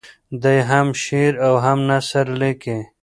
دی هم شعر او هم نثر لیکي.